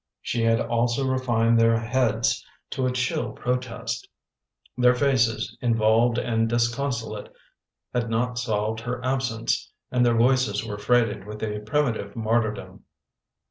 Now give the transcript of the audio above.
She had also refined their heads to a chill protest. Their faces, involved and disconsolate, had not solved her absence, and their voices were freighted with a primi tive martyrdom.